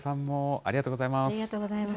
ありがとうございます。